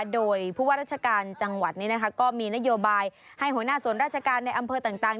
โดยผู้ว่าราชการจังหวัดนี้นะคะก็มีนโยบายให้หัวหน้าส่วนราชการในอำเภอต่าง